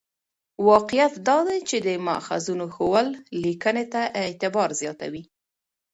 واقعیت دا دی چې د ماخذونو ښوول لیکنې ته اعتبار زیاتوي.